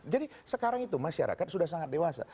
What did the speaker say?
jadi sekarang itu masyarakat sudah sangat dewasa